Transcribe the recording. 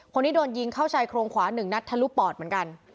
คนนี้โดนยิงเข้าชายโครงขวา๑นัดทะลุปอดเหมือนกัน